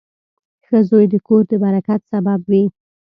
• ښه زوی د کور د برکت سبب وي.